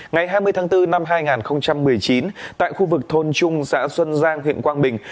ngày hai mươi tháng bốn năm hai nghìn một mươi chín tại khu vực thôn trung xã xuân giang huyện quang bình